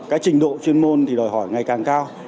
cái trình độ chuyên môn thì đòi hỏi ngày càng cao